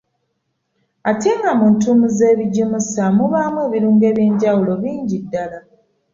Ate nga mu ntuumu z’ebijimusa mubaamu ebirungo ebyenjawulo bingi ddala.